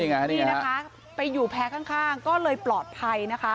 นี่ไงนี่ไงนี่นะคะไปอยู่แพ้ข้างก็เลยปลอดภัยนะคะ